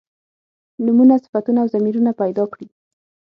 نومونه صفتونه او ضمیرونه پیدا کړي.